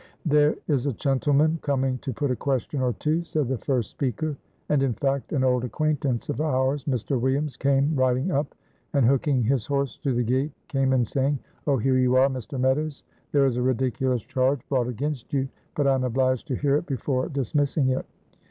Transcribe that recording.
"There is a chentleman coming to put a question or two," said the first speaker. And, in fact, an old acquaintance of ours, Mr. Williams, came riding up, and, hooking his horse to the gate, came in, saying, "Oh, here you are, Mr. Meadows. There is a ridiculous charge brought against you, but I am obliged to hear it before dismissing it.